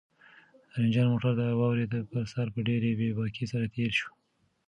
رنجر موټر د واورې پر سر په ډېرې بې باکۍ سره تېر شو.